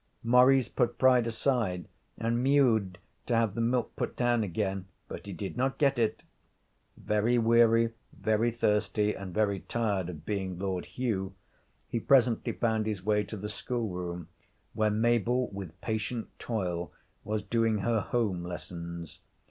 Maurice put pride aside and mewed to have the milk put down again. But he did not get it. Very weary, very thirsty, and very tired of being Lord Hugh, he presently found his way to the schoolroom, where Mabel with patient toil was doing her home lessons.